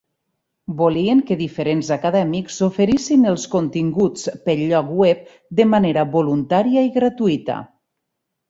Volien que diferents acadèmics oferissin els continguts pel lloc web de manera voluntària i gratuïta.